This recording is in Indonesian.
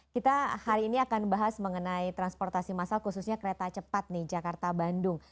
kita hari ini akan bahas mengenai transportasi massal khususnya kereta cepat nih jakarta bandung